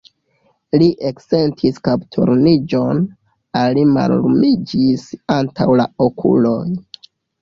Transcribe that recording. Li eksentis kapturniĝon, al li mallumiĝis antaŭ la okuloj.